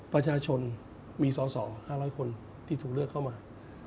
ประชาชนมีสอสอ๕๐๐คนที่ถูกเลือกเข้ามา